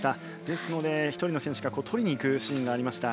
ですので、１人の選手が取りに行くシーンがありました。